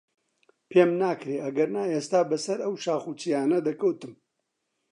پێم ناکرێ، ئەگەنا ئێستا بەسەر ئەو شاخ و چیایانە دەکەوتم.